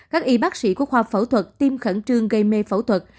các y bác sĩ của khoa phẫu thuật tiêm khẩn trương gây mê phẫu thuật